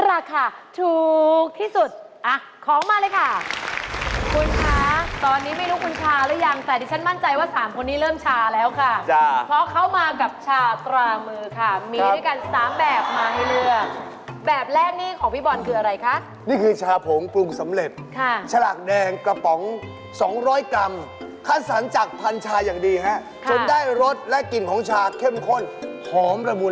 ราคาถูกที่สุดอ่ะของมาเลยค่ะคุณคะตอนนี้ไม่รู้คุณชาหรือยังแต่ดิฉันมั่นใจว่าสามคนนี้เริ่มชาแล้วค่ะจ้ะเพราะเขามากับชาตรามือค่ะมีด้วยกันสามแบบมาให้เลือกแบบแรกนี่ของพี่บอลคืออะไรคะนี่คือชาผงปรุงสำเร็จค่ะฉลากแดงกระป๋องสองร้อยกรัมคัดสรรจากพันชาอย่างดีฮะจนได้รสและกลิ่นของชาเข้มข้นหอมระบ